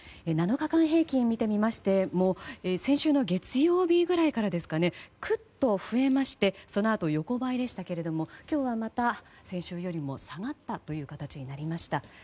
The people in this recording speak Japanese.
７日間平均を見てみましても先週の月曜日くらいからくっと増えましてそのあと横ばいでしたけども今日はまた先週よりも下がったという形になりました。